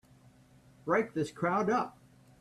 Break this crowd up!